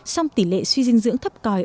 song tỷ lệ suy dinh dưỡng thấp còi